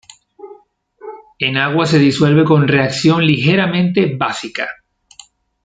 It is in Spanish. En agua se disuelve con reacción ligeramente básica.